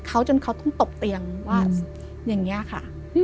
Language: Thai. เขาจนเขาต้องตกเตียงว่าอย่างนี้ค่ะ